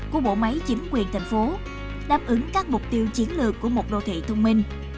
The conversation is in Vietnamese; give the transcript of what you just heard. của bộ máy chính quyền thành phố đáp ứng các mục tiêu chiến lược của một đô thị thông minh